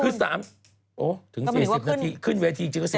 คือ๓โอ้ยถึง๔๐นาทีขึ้นเวทีจริง๑๕นาที